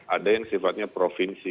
ada yang sifatnya provinsi